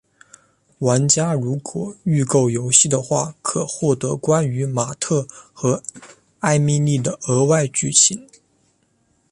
玩家如果预购游戏的话可获得关于马特和艾蜜莉的额外剧情。